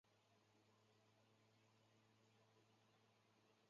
而新竹州辖下的苗栗郡公馆庄亦受波及。